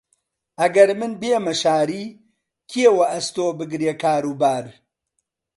ئەگەر من بێمە شاری، کێ وەئەستۆ بگرێ کاروبار؟